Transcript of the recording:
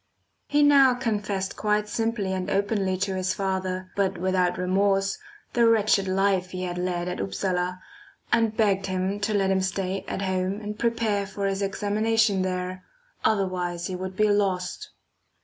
He now confessed quite simply and openly to his father, but without remorse, the wretched life he had led at Upsala, and begged him to let him stay at home and prepare for his examination there, otherwise he would be lost.